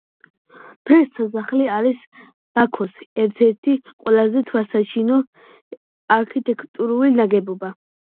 დღეს სასახლე არის ბაქოს ერთ-ერთი ყველაზე თვალსაჩინო არქიტექტურული ნაგებობა.